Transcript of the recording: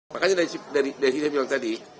makanya dari yang saya bilang tadi